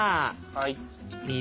はい。